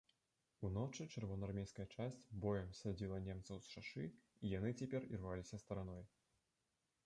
Уночы чырвонаармейская часць боем ссадзіла немцаў з шашы, і яны цяпер ірваліся стараной.